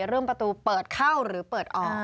เรื่องประตูเปิดเข้าหรือเปิดออก